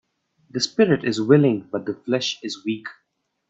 The spirit is willing but the flesh is weak